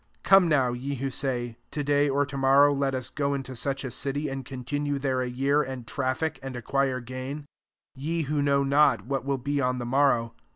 13 Come now, ye who say, To day or to morrow let us go into such a city, and conti nue there a year, and traffic, and acquire gain :" 14 ye who know not what will be on the morrow.